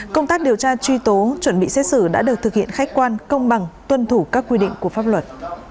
công tác điều tra truy tố chuẩn bị xét xử đã được thực hiện khách quan công bằng tuân thủ các quy định của pháp luật